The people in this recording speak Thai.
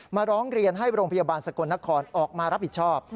ร้องเรียนให้โรงพยาบาลสกลนครออกมารับผิดชอบ